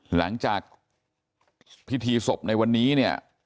หลังจากพิธีศพในวันนี้เนี่ย